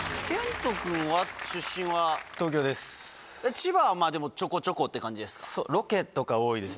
千葉はまぁでもちょこちょこって感じですか？